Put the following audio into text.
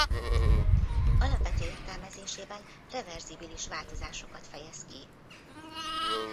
Alapvető értelmezésében reverzibilis változásokat fejez ki.